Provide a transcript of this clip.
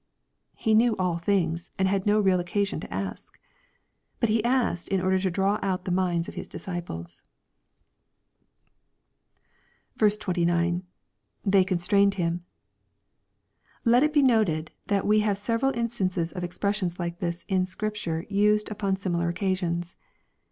'* He knew all things, and had no real occasion to ask. But He asked in order to draw out the minds of His disciples. 29. — \7^ey constrained him.] Let it be noted that we have several instimces of expressions like this in Scripture used upon similar occasions.